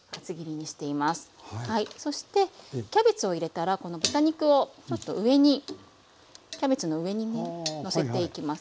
そしてキャベツを入れたらこの豚肉をちょっと上にキャベツの上にねのせていきます。